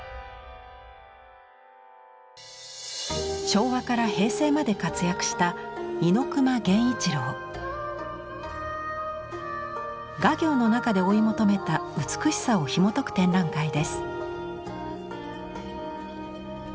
昭和から平成まで活躍した画業の中で追い求めた美しさをひもとく展覧会です。